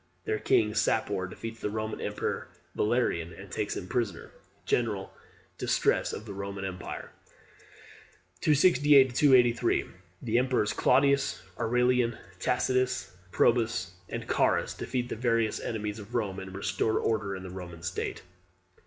Their king, Sapor, defeats the Roman emperor Valerian, and takes him prisoner. General distress of the Roman empire. 268 283. The emperors Claudius, Aurelian, Tacitus, Probus, and Carus defeat the various enemies of Rome, and restore order in the Roman state.